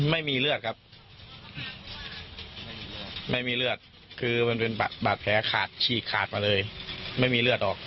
ไม่มีเลือดครับไม่มีเลือดคือมันเป็นบาดแผลขาดฉีกขาดมาเลยไม่มีเลือดออก